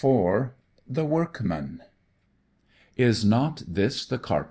IV The Workman "IS NOT THIS THE CARPENTER?"